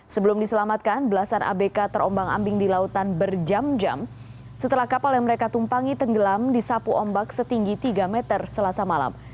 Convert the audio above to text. sebelum diselamatkan belasan abk terombang ambing di lautan berjam jam setelah kapal yang mereka tumpangi tenggelam disapu ombak setinggi tiga meter selasa malam